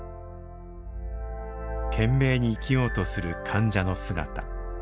懸命に生きようとする患者の姿。